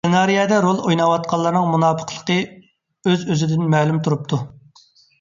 سېنارىيەدە رول ئويناۋاتقانلارنىڭ مۇناپىقلىقى ئۆز ئۆزىدىن مەلۇم تۇرۇپتۇ.